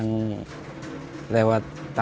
pemilikan air bersih di pam jaya